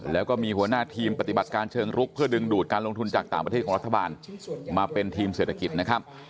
แล้วก็มีหัวหน้าทีมปฏิบัติการเชิงรุกเพื่อดึงดูดการลงทุนจากต่างประเทศของรัฐบาลมาเป็นทีมเศรษฐกิจนะครับ